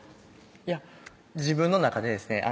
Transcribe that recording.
いや自分の中でですね